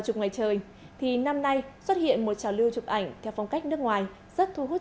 chụp ngoài trời thì năm nay xuất hiện một trào lưu chụp ảnh theo phong cách nước ngoài rất thu hút